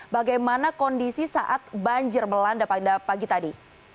bagaimana kondisi saat banjir melanda pada pagi tadi